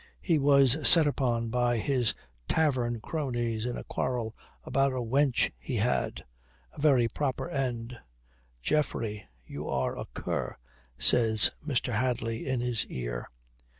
He was set upon by his tavern cronies in a quarrel about a wench he had. A very proper end." "Geoffrey, you are a cur," says Mr. Hadley in his ear.